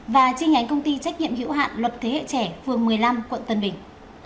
và chi nhánh công ty trách nhiệm hữu hạn luật thế hệ trẻ phường một mươi năm quận tân bình